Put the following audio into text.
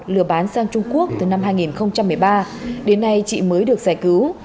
lừa bán sang trung quốc từ năm hai nghìn một mươi ba đến nay chị mới được giải cứu